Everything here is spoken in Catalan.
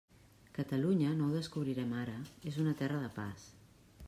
Catalunya, no ho descobrirem ara, és una terra de pas.